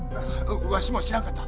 わしも知らんかったわ。